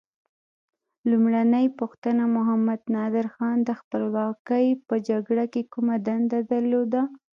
لومړۍ پوښتنه: محمد نادر خان د خپلواکۍ په جګړه کې کومه دنده درلوده؟